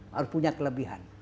harus punya kelebihan